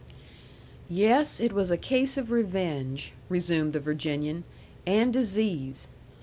"Yes, it was a case of revenge," resumed the Virginian, "and disease.